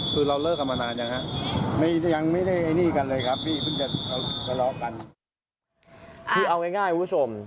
คือเอาง่ายผู้ชม